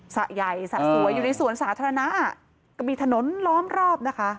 สะใหญ่สระสวยอยู่ในสวนสาธารณะก็มีถนนล้อมรอบนะคะ